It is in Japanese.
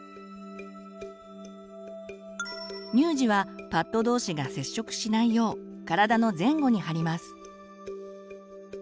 乳児はパッドどうしが接触しないよう体の前後に貼ります。